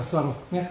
ねっ？